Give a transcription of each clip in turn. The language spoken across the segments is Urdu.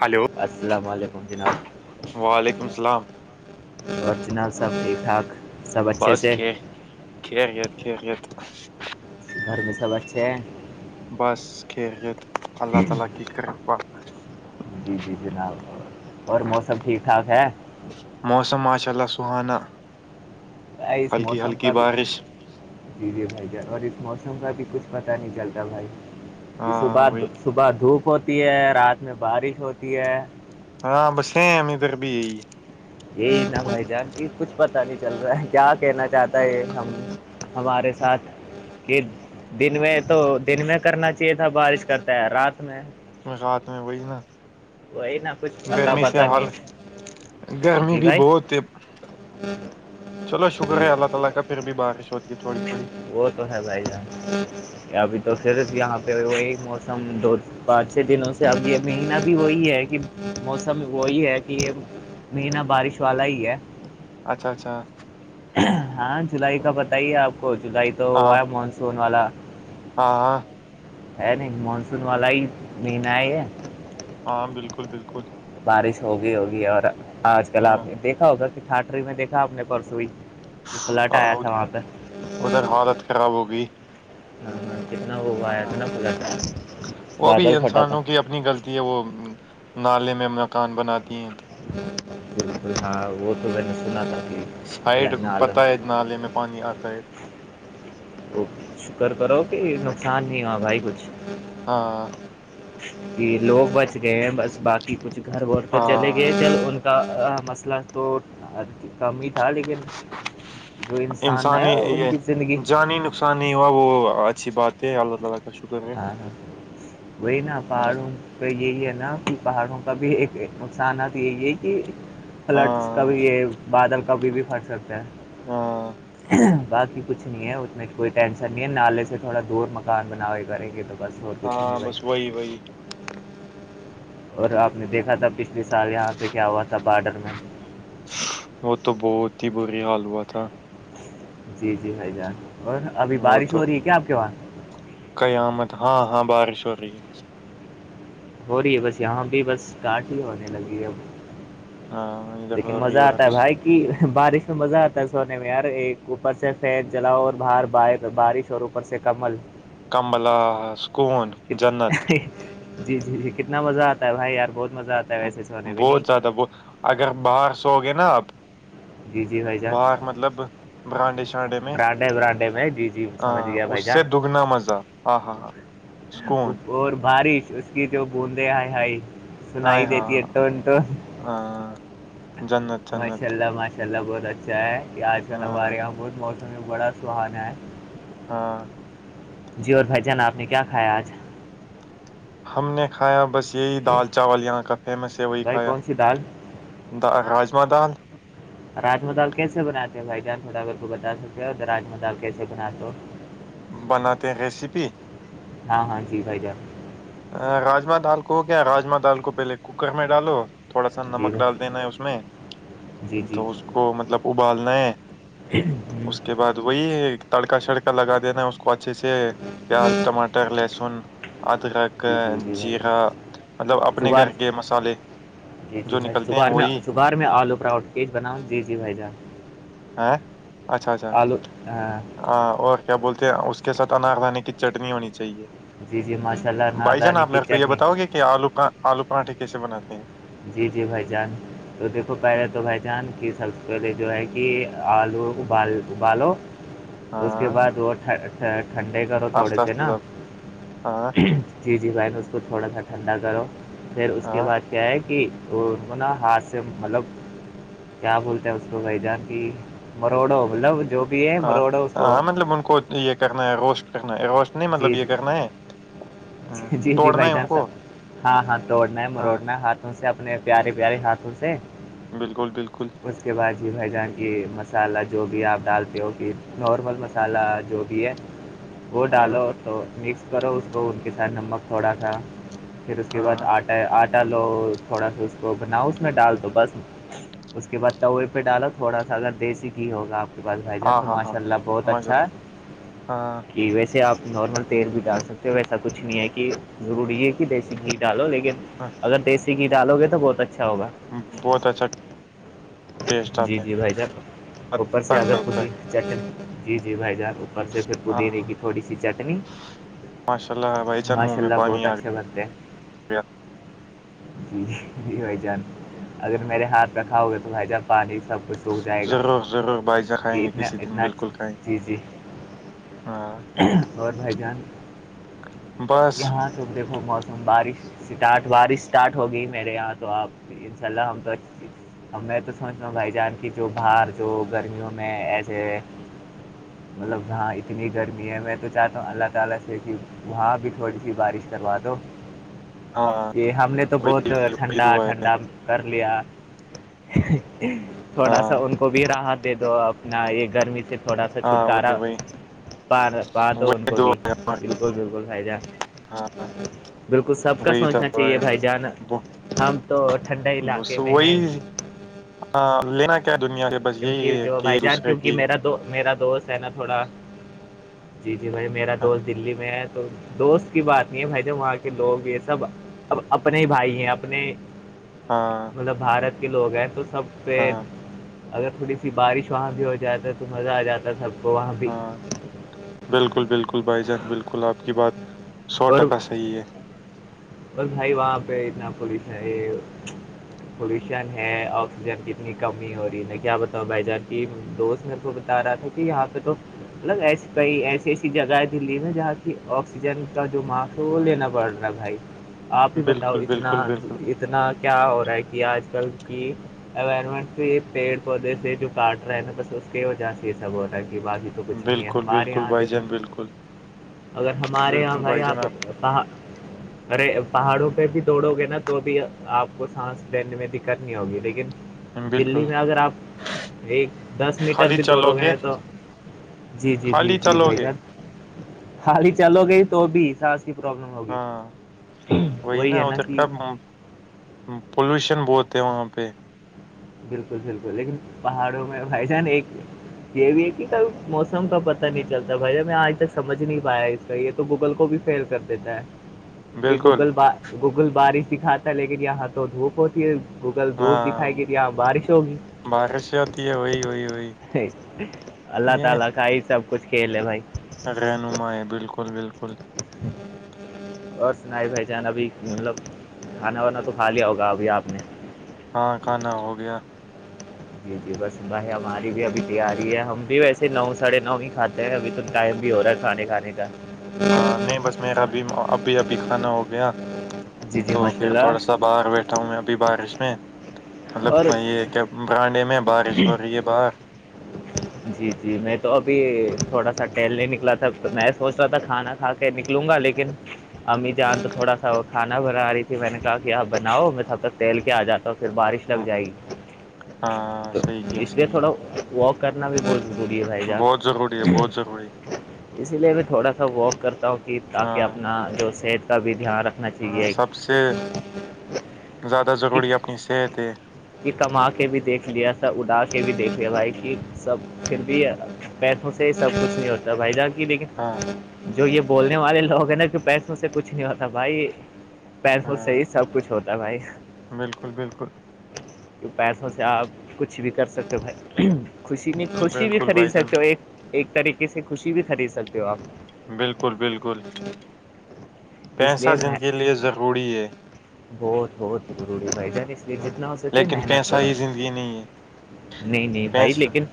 ہلو السلام علیکم وعلیکم السلام اورچنا سب ٹھیک ٹھاک سب اچھے بس سے ک کر ہیت کت گھر میں سب اچھے ہیں اللہ تعالی کی جی جی جناب اور موسم ٹھیک ٹھاک ہے موسم ماشاء اللہ سہانا بھائی اس ہلکی موسم ہلکی کا بھی بارش جی جی بھائی جان اور اس موسم کا بھی کچھ پتا نہیں چلتا بھائی کہ ہاں صبح وہی صبح دھوپ ہوتی ہے رات میں بارش ہوتی ہے ہاں بسیم ادھر بھی یہی یہ بھ جان کچھ پتا نہیں چل رہا ہے کیا کہنا چاہتا ہے ہم ہمارے ساتھ کہ دن میں تو دن میں کرنا چاہیے تھا بارش کرتا ہے رات میں ہات میں وہی نا وہی نا کچھ پتا گرمی سے پتا حال نہیں گرمی بھی بہت ہے ہاں کر رہے ہیں چلو شکر ہے اللہ تعالی کا پورے مہینے میں کتنی وہ تو ہے جائے گا ابھی تو صرف یہاں پہ وہی موسم دو پانچ چھ دنوں سے اب یہ مہگنا بھی وہی ہے کہ موسم وہی ہے کہ یہ مین بارش والا ہی ہے اچھا اچھا ہاں جولائی کا بتائیے آپ کو جولائی تو ہاں ہوا ہے مانسون والا ہاں ہاں ہے نہیں مانسون ہاں والا ہی مہین ہے یہ ہاں بالکل بالکل بارش ہوگئی ہوگی اور آج کل ہاں آپ نے دیکھا ہوگا تھٹری میں دیکھا اپنے پرسوںئی یہ فلٹ ہاں، آیا تھا اد- وہاں پہ ادھر حالت خراب ہوگئی ہاں ہاں کتنا ہووا ہے اتنا پھلا تھا وہ بھی بادل پھٹا تھا انسانوں کی اپنی غلطی ہے وہ نالے میں مکان بناتی ہیں بالکل ہاں وہ تو میں نے سنا تھا کہ سائڈ اللہ عالم پتا ہے نالے میں پانی آتا ہے شکر کرو کہ نقصان نہیں ہوا بھائی کچھ ہاں کہ لوگ بچ گئے ہیں بس باقی کچھ گھر وور تو چلے گئے ہاں چل ان مسئلہ تو کم ہی تھا لیکن جو انسان ہے انسانی ان یہ کی زندگی جانی نقصان نہیں ہوا وہ اچھی بات ہے اللہ تعال ہاں وہئی نا اللہ پہڑوں تو یہی ہے نا کہ پہاڑوں کا بھی ایک نقصان تو یہی ہے کہ فلڈس ہاں کبھی یہ بادل کبھی بھی پھٹ سکتے ہیں ہاں باقی کچھ نہیں ہے ات میں کوئی ٹینشن نہیں ہے نالے سے تھوڑا دور مکان بنا ہوئے کریں گے تو بس اور کچھ نہیں ہاں بھائی بس وہی وہی اور ہاں آپ نے دیکھا تھا پچھلے سال یہاں پہ کیا ہوا تھا بارڈر میں وہ تو بہت ہی بری حال ہوا تھا جی جی بھائی جان اور ابھی وہ بارش تو ہو رہی ہے کیا آپ کے وہاں قیامت ہاں ہاں بارش ہو رہی ہے ہو رہی ہے بس یہاں بھی بس کاٹ ہی ہونے لگی ہے ہاں اب ادھر لیکن ہو رہی مزہ آتا ہے بارش بھائی کہ بارش میں مزہ آتا ہے سونے میں یار ایک اوپر سے پید جلاؤ اور باہر ب بارش اور ا ار سے کمل کمبلا سکون جنت جی جی جی کتنا مزہ آتا ہے بھائی یار بہت مزہ آتا ہے ویسے سونے بھی نہیں بہت زیادہ وہ اگر باہر سو گے نا آپ جی جی بھائی جان باہغ مطلب برانڈے شانڈے میں براڈے براڈے میں جی جی سمجھ ہاں گیا اس بھائی سے جان دگنا مزہ ہاں ہاں ہاں سکون اور بارش اس کی جو بوندیں ہائی ہائی ہ ہاں ہاں ہاں جنت ماشاء جنت اللہ ماشاء اللہ بہت اچھا ہے یہ آج کل ہاں ہمارے یہاں بہت موسم بڑا سہانا ہے ہاں جی اور بھائی جان آپ نے کیا کھایا آج ہم نے کھایا بس یہی دال چاول یہاں کا فیمس ہے وہی بھائی کھایا کون سی دال دا راجما دال راجما دال کیسے بناتے ہو بھائی جان تھوڑا اگر کو بتا سکتے ہو تو راما دال کیسے بناتے ہو بناتے ریسیپی ہاں ہاں جی بھائی جان راجما دال کو کیا راجما دال کو پہلے کوکر میں ڈالو تھوڑا سا جی نمک ڈال بھائی دینا ہے اس میں جی جی تو اس کو مطلب ابالنا ہے اس کے بعد وہی ہے تڑکا شڑکا لگا دینا اس کو اچھے سے پیاز ٹماٹر لہسن ادرک جی گا مطلب اپنے سگار گھر کے مسالے جی جی جو نکلتے ہیں بھائیگار وہی شگار میں آلو پراوٹھ بنا جی جی بھائی جان ہیں آلو ہاں ہ اور کیا بولتے ہیں اس کے ساتھ انگ دانے کی چٹنی ہونی چاہیے جی جی مسالہ بھائی جان ناردانی آپ کی میرے کو یہ چٹنی بتاؤ گے کہ آلو آلو پرانٹھے کیسے بناتے ہیں جی جی بھائی جان تو دیکھو پہلے تو بھائی جان کس سب سے پہلے جو ہے کہ آلو ابال ابالو اس کے ہاں بعد وہ اچ ٹھنڈے کرو تھوڑے آستہ سے آستہ نا سب ہاں جی جی بھائی نے اس کو تھوڑا سا ٹھنڈا کرو پھر اس کے ہاں بعد کیا ہے کہ تو انوں ن ہاتھ سے مطلب کیا بولتے ہیں اس کو بھائی جا کہ مروڑو مطلب جو بھی ہے ہ مروڑو اس کو ہاں مطلب ان کو یہ کہنا ہے گوشت کرنا ہے گوشت نہیں مطلب جی یہ جی کہنا ہے ہاں، جی جی توڑنا بھائی ہے ان جانس کو سب ہاں ہاں توڑنا ہے ہاں مروڑنا ہے ہاتھ سے اپنے پیارے پیارے ہاتھوں سے بالکل بالکل اس کے بعد جی بھائی جان کی مسالحہ جو بھی آپ ڈالتے ہو کہ نارمل م مسالہ جو بھی ہے وہ ہ ڈالو تو مکس کرو اس کو ان کے ساتھ نمک تھوڑا سا پھر اس کے بعد ہاں آٹا آٹا لو تھوڑا سا اس کو بناؤ اس میں ڈال دو بس اس کے بعد تووے پہ ڈالو تھوڑا سا اگر دیسی گھی ہوگا آپ کو بس بھائی جان ہاں تو ہاں ہاں ماشاء اللہ بہت ماشاء اچھا اللہ ہے ہاں کہ ویسے آپ نارمل تیل بھی ڈال سکتے ہو ویسا کچھ نہیں ہے کہ ضروری ہے کہ دیسی گھی ڈالو لیکن ہاں، اگر دیسی گھی ڈالو گے تو بہت اچھا ہوگا بہت اچھا ٹیسٹ جی آتا ہے جی بھائی جان اوپر سے اگر پودینے چٹنی جی جی بھائی جان اوپر سے پھر ہاں رہے گی ہاں تھوڑی سی چٹنی ماشاء اللہ بھائی جان منہ ماشاء میں اللہ بہت پانی آ اچھے بنتے گیا جی جی جی بھائی جان اگر ہاں میرے ہاتھ رکھاؤگے تو بھائی جان پانی سب کچھ سوکھ جائے گا ضرور ضرور بائجاں کھائیں یہ گے اتنا کسی دن اتنا بالکل کھائیں گے جی جی ہاں اور بھائی جان بس یہاں صبح دیکھو موسم بارش اسٹارٹ بارش اسٹارٹ ہوگئی میرے یہاں تو آپ انشاء اللہ ہم تو اب میں تو سوچ رہ ہوں بھائی جان کی جو باہر جو گرمیوں میں ایسے مطلب یہاں اتنی گرمی ہے میں بتاتا ہوں اللہ تعالی سے وہاں بھی تھوڑی سی بارش ہاں یہ ہم نے تو بہت وہی وہی وہی ٹھنڈا دعا ہے ٹھنڈا کر لیا ہاں تھوڑا سا ان کو بھی راحت دے دو اپنا یہ گرمی سے تھوڑا سا ہاں چھٹکارا وہی وہی پا دو ان وہی کو دعا بھی ہے ہماری بالکل بالکل بھائی جان ہاں بالکل سب کا وہی سوچنا دعا چاہیے ہے بھائی جان ب- ہم تو ٹھنڈا بس علاقے میں ہیں وہی لینا کیا ہے دنیا کے کیونکہ جو بھائی جان کیوںکہ میرا دو میرا دوست ہے نا تھوڑا جی جی بھائی میرا ہاں دوست دلی میں ہے تو دوست کی بات نہیں ہے بھائی جان وہاں کے لوگ یہ سب اب اپنے بھائی ہیں اپنے ہاں مطلب بھارت کے لوگ ہیں تو سب ہاں اگر تھوڑی سی بارش وہاں بھی ہو جاتا ہے تو مزہ آ جاتا ہے سب کو وہاں بھی ہاں بالکل بالکل بھائی جان بالکل آپ کی بات سو ٹکا صحیح ہے بس بھائی وہاں پہ اتنا پولیس ہے یہ پولوشن ہے آکسیجن کی اتنی کمی ہو رہی ہے کیا بتاؤ بھائی جان کی دوست میں تو جا رہا تھا کہ یہاں پہ تو مطلب ایسے کئی ایسی ایسی جگہ ہے دلی میں جہاں کی آکسیجن کا جو ماہ تو لینا پڑ رہا بھائی آپ ہی ہے بتاؤ بالکل اتنا بالکل بالکل اتنا کیا ہو رہا ہے کہ آج کل کی امٹ تو یہ پیڑ پودے سے جو کاٹ رہا ہے نا بس اس کی وجہ سے یہ سب ہو رہا ہے کہ باقی تو کچھ نہیں ہے بالکل ہمارے بالکل یہاں بھائی دیکھو جان بالکل اگر ہمارے یہاں بالکل بھائی جان آپ ارے پہاڑوں پہ بھی دوڑو گے نا تو بھی آپ کو سانس لینے میں دقت نہیں ہوگی لیکن دلی بالکل میں اگر آپ ایک دس میٹر خالی بھی چلو دوڑو گے تو جی جی جی خالی جی چلو بھائی گے جان خالی چلو گی تو بھی سانس کی پروابلم ہوگی ہاں وہی نا ادھر کاب پولوشن بہت ہے وہاں پہ بالکل بالکل لیکن پہاڑوں میں بھائی جان ایک یہ بھی ہے کہ کب موسم کا پتاہ نہیں چلتا بھائی میں آج تک سمجھ نہیں پایا یہ تو گوگل کو بھی فیل کر دیتا ہے یہ بالکل گوگل بار گوگل بارش ہی کاتا ہے لیکن یہاں تو دھوپ ہوتی ہے گوگل دھوپ دکھائے ہاں گی یہاں بارش ہوگی بارش سے ہوتی ہے وہی ہو ہو اللہ تعالی کا ہی سب کچھ کھیل ہے بھائی رہنما بالکل بالکل اور سنائی بھائی جان ابھی مطلب کھانا وانا تو کھا لیا ہوگا ابھی آپ نے ہاں کھانا ہو گیا جی جی بس بھائی ہماری بھی ابھی تیاری ہے ہم بھی ویسے نو ساڑھے نو ہی کھاتے ہیں ابھی تو ٹائم بھی ہو رہا ہے کھانے کھانے کا ہاں نہیں بس میرا بھی اب بھی ابھی کھانا ہو گیا جی جی تو ماشاء پھر تھوڑا اللہ سا باہر بیٹھا ہوں میں ابھی بارش میں اور مطلب یہ کیا برانڈے میں بارش ہو رہی ہے باہ جی جی میں تو ابھی تھوڑا سا ٹیل نہیں نکلا تھا تو میں سوچ رہا تھا کھانا ہاں کے نکلوں گا لیکن امی جان تو تھوڑا سا وہ کھانا بنا رہی تھی میں نے کہا کہ آپ بناؤ میں تب تک تیل کے آ جاتا ہوں پھر بارش لگ ہاں جائے گی ہاں، تو صحیح کیا اس لیے صحیح تھوڑا واک کرنا بھی بہت ضروری ہے بھائی جان بہت ضروری ہے بہت ضروری اسی لیے میں تھوڑا سا واک کرتا ہوں کہ تاکہ ہاں اپنا جو صحت کا بھی دھیان رکھ ہاں سب سے زیادہ ضروری ہے اپنی صحت ہے یہ کما کے بھی دیکھ لیا تھا اڑا کے بھی دیکھ لیا بھائی کہ سب پھر بھی ہے پیٹوں سے سب کچھ نہیں ہوتا بھائی جان کی ہاں لیکن جو یہ بولنے والے لوگ ہیں نا کہ پیسوں سے کچھ نہیں ہوتا بھائی پیر سےح ہاں ہی سب کچھ ہوتا ہے بھائی بالکل بالکل پیسوں سے آپ کچھ بھی کر سکتے ہو بھائی خوشی بھی خوشی بھی بالکل خرید بھائی جان سکتے ہو ایک ایک طریقے سے خوشی بھی خرید سکتے ہو آپ بالکل بالکل اس پیسہ لیے میں زندگ لے ضروری ہے بہت بہت ضروری ہے بھائی جان اس لیے ہم، جتنا ہو کے لیکن محنت پیسہ کروں ہی زندگی ہے نہیں نہیں بھائی پیسہ لیکن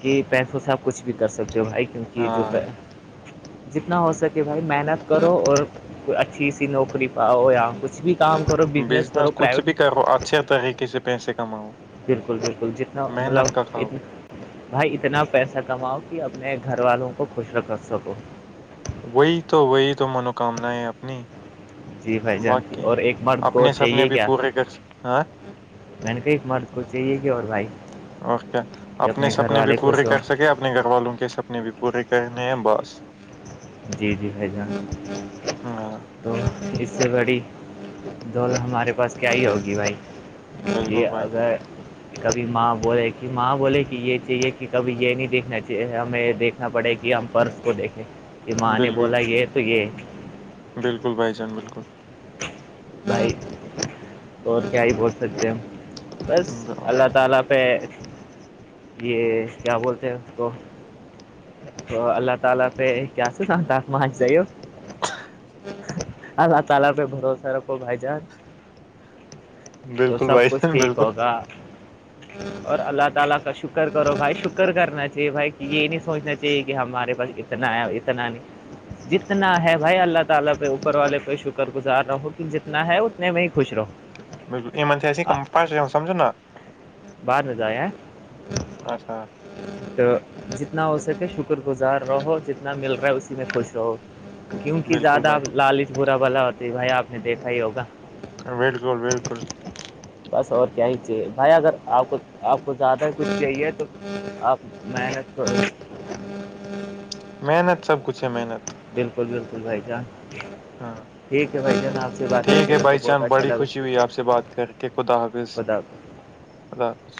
کہ پیسوں سے آپ کچھ بھی کر سکتے ہو بھائی کیونکہ یہ جو ہاں جتنا ہو سکے بھائی محنت کرو اور کوئی اچھی ا سی نوکری پاؤ یا کھ بھی کام کرو بزنس کرو کچھ پرائوٹ بھی کرو اچھے طریقے سے پیسے کماؤ بالکل بالکل جتنا مطلب محنت کا کھاؤ اتنا بھائی اتنا پیسہ کماؤ کہ اپنے گھر والوں کو خوش رکھ سکو وہی تو وہی تو منوکامنیں اپنی جی بھائی جان کی باقی اور ایک مرد کو اور اپنے سپنے چاہیے بھی کیا پورے کر س- ہاں میں نےکئی مرد کو چاہیے کہ اور بھائی اوکے کہ اپنے گھر سپنے بھی والے پورے خوش ہوں کر سکے اپنے گھر والوں کے سپنے اپنے بھی پورے کہنے ہیں بس جی جی بھائی جان ہاں تو اس سے بڑی دوڑ ہمارے پاس کیا ہی ہوگی بھائی جی بالکل بھائی اگر کبھی ماں بولے کہ ماں بولے کہ یہ چاہیے کہ کبھی یہ نہیں دیکنا چاہیے ہمیں دیکھ پڑے کہ ہم پرس کو دیکھیں کہ ماں نے بالکل بولا یہ تو یہ بالکل بھائی جان بالکل بھائی اور کیا ہی بول سکتے ہم بس اللہ تعالی پ یہ کیا بولتے ہیں اس کو تو اللہ تعالی پہ کیا سناتا م آچ جائی ہو اللہ تعالا پہ بھروسہ رکھو بھائی جان تو بالکل سب بھائی کچھ جان ٹھیک بالکل ہوگا اور اللہ تعالی کا شکر کرو بھائی شکر کرنا چاہیے بھائی کہ یہ نہیں سوچنا چاہیے کہ ہمارے پاس نا اتناانی جتنا ہے بھائی اللہ تعالی پہ اوپر والے پہ شکر گزار رہو کہ جتنا ہے اتنے میں ہی خوش رہو بالکل ای تھےاش سمجھو نہ بر میں جائے ہیں اچھا تو جتنا ہو سکے شکر گزار رہو جتنا مل رہا ہے اسی میں خوش رہو کیوںک بالکل زیادہ بھائی ا لالچ بھورا بلا ہوتی ہے بھائی آپ نے دیکھا ہی ہوگا بالکل بالکل بس اور کیا ہی چاہیے بھائی اگر آپ کو آپ کو زیادہ کچھ چاہیے تو آپ محنت کر محنت سب کچھ ہے محنت بالکل بالکل بھائی جان ہاں ٹھیک ہے بھائی جان آپ سے بات کر ٹھیک کے ہے میرے کو بھائی بہت چان اچھا بڑی لگا خوشی ہوئی آپ سے بات کر کے خدا حافظ خدا حافظ